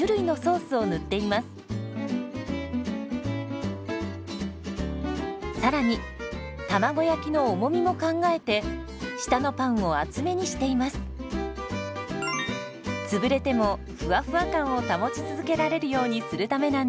つぶれてもふわふわ感を保ち続けられるようにするためなんです。